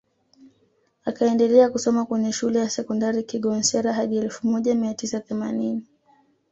Akaendelea kusoma kwenye Shule ya Sekondari Kigonsera hadi elfu moja mia tisa themanini